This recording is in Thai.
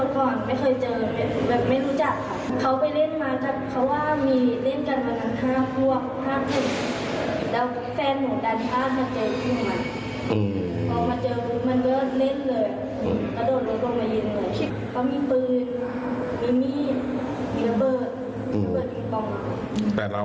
เขามีปืน